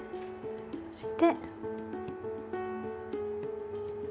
そして。